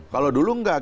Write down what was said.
kalau dulu enggak